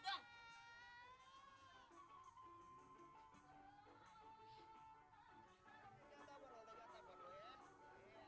bagi duit dong